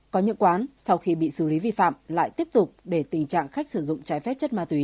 có những quán sau khi bị xử lý vi phạm lại tiếp tục để tình trạng khách sử dụng trái phép chất ma túy